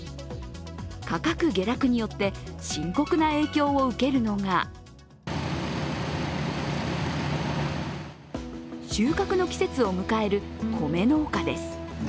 価格下落によって深刻な影響を受けるのが収穫の季節を迎える米農家です。